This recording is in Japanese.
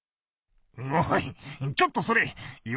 おいちょっとそれよ